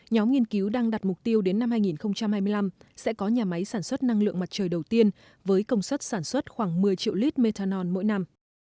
nhóm nghiên cứu đang đặt mục tiêu đến năm hai nghìn hai mươi năm sẽ có nhà máy sản xuất năng lượng mặt trời đầu tiên với công suất sản xuất khoảng một mươi triệu lít methanol mỗi năm